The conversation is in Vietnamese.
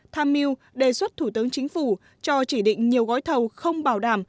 tham mưu đề xuất thủ tướng chính phủ cho chỉ định nhiều gói thầu không bảo đảm